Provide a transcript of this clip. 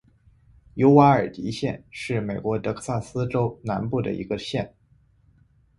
尤瓦尔迪县是美国德克萨斯州南部的一个县。